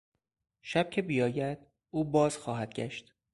شب که بیاید او باز خواهد گشت.